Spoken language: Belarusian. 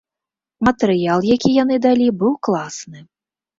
Матэрыял, які яны далі, быў класны.